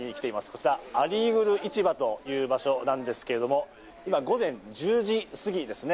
こちら、アリーグル市場という場所なんですけども、今午前１０時過ぎです。